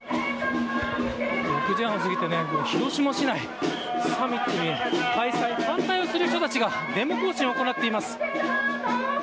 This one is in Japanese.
今６時半をすぎて広島市内サミット開催を反対する人たちがデモ行進を行っています。